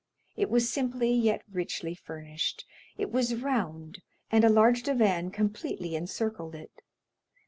It was simply yet richly furnished. It was round, and a large divan completely encircled it.